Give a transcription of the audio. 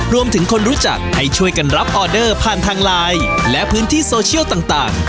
คนรู้จักให้ช่วยกันรับออเดอร์ผ่านทางไลน์และพื้นที่โซเชียลต่าง